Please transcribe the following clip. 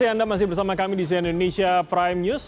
terima kasih anda masih bersama kami di zain indonesia prime news